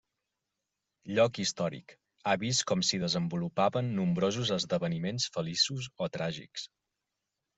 Lloc històric, ha vist com s'hi desenvolupaven nombrosos esdeveniments feliços o tràgics.